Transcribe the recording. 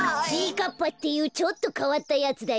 かっぱっていうちょっとかわったやつだよ。